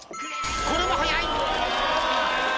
これも早い！